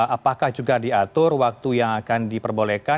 apakah juga diatur waktu yang akan diperbolehkan